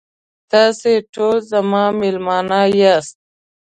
تاسې ټول زما میلمانه یاست.